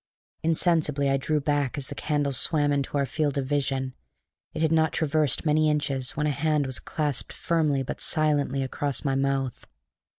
Insensibly I drew back as the candle swam into our field of vision: it had not traversed many inches when a hand was clapped firmly but silently across my mouth.